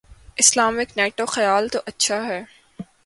Islamic NATO: خیال تو اچھا ہے۔